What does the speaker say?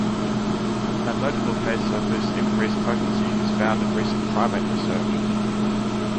A notable case of this increased potency is found in recent primate research.